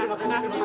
terima kasih mas